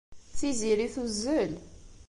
Tiziri tuzzel.